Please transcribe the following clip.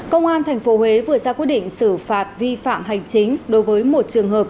công an tp huế vừa ra quyết định xử phạt vi phạm hành chính đối với một trường hợp